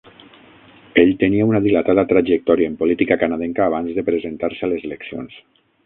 Ell tenia una dilatada trajectòria en política canadenca abans de presentar-se a les eleccions.